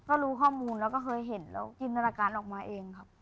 ก็รู้ข้อมูลแล้วก็เคยเห็นแล้วจินตนาการออกมาเองครับ